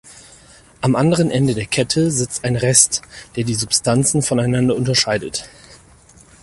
Am anderen Ende der Kette sitzt ein Rest, der die Substanzen voneinander unterscheidet.